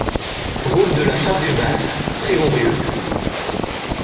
Route de la Fargue Basse, Prigonrieux